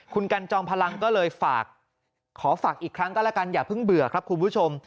คุณกันจอมพลังก็เลยฝากขอฝากอีกครั้งก็แล้วกันอย่าเพิ่งเบื่อครับคุณผู้ชม